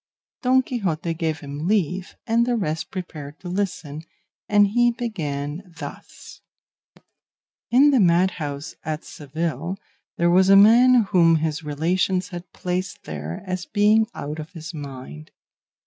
Don Quixote gave him leave, and the rest prepared to listen, and he began thus: "In the madhouse at Seville there was a man whom his relations had placed there as being out of his mind.